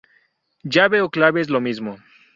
Llave o clave es lo mismo.